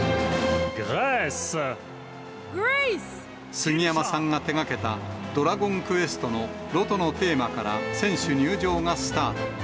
すぎやまさんが手がけたドラゴンクエストのロトのテーマから、選手入場がスタート。